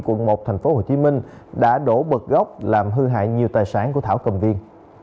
quận một tp hcm đã đổ bật gốc làm hư hại nhiều tài sản của thảo cầm viên